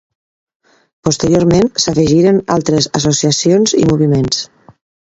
Posteriorment s’afegiren altres associacions i moviments.